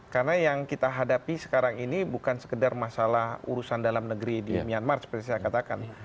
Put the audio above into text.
karena yang kita hadapi sekarang ini bukan sekedar masalah urusan dalam negeri di myanmar seperti saya katakan